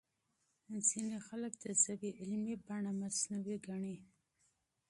ځينې خلک د ژبې علمي بڼه مصنوعي ګڼي.